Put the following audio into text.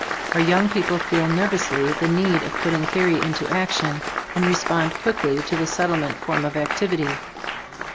Our young people feel nervously the need of putting theory into action, and respond quickly to the Settlement form of activity.